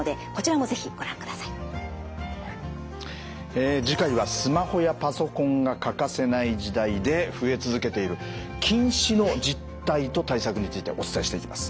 え次回はスマホやパソコンが欠かせない時代で増え続けている近視の実態と対策についてお伝えしていきます。